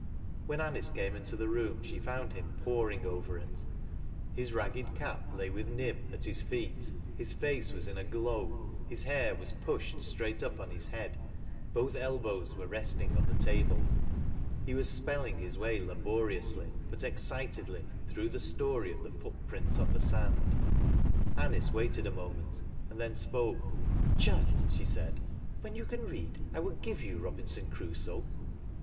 When Anice came into the room she found him poring over it. His ragged cap lay with Nib, at his feet, his face was in a glow, his hair was pushed straight up on his head, both elbows were resting on the table. He was spelling his way laboriously, but ex citedly, through the story of the foot print on the sand. Anice waited a moment, and then spoke : "Jud," she said, " when you can read 1 will give yon ' Robinson Crusoe.'